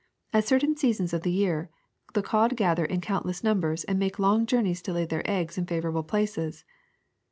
At certain seasons of the year the cod gather in countless numbers and make long journeys to lay their eggs in favorable places.